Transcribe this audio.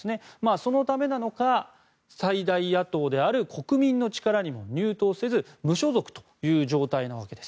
そのためなのか最大野党である国民の力にも入党せず無所属という状態なわけです。